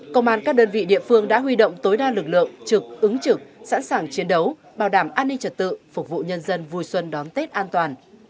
công an các đơn vị địa phương đã huy động tối đa lực lượng trực ứng trực sẵn sàng chiến đấu bảo đảm an ninh trật tự phục vụ nhân dân vui xuân đón tết an toàn